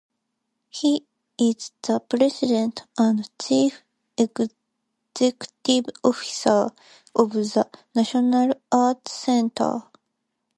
He is the president and chief executive officer of the National Arts Centre.